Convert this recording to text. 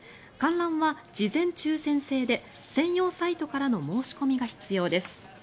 観覧は事前抽選制で専用サイトからの申し込みが必要です。